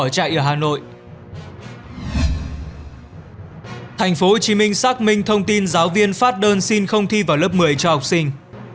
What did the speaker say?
thành phố hồ chí minh xác minh thông tin giáo viên phát đơn xin không thi vào lớp một mươi cho học sinh